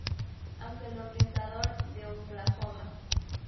Aunque el orquestador de "Oklahoma!